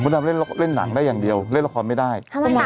ดำเล่นหนังได้อย่างเดียวเล่นละครไม่ได้